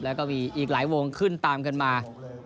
แล้วก็มีอีกหลายวงขึ้นตามกันมา